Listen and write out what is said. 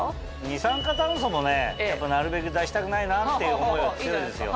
二酸化炭素もねなるべく出したくないなっていう思いは強いですよ。